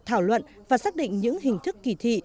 thảo luận và xác định những hình thức kỳ thị